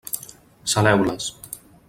Saleu-les.